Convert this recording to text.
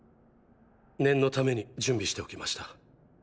念のために準備しておきました。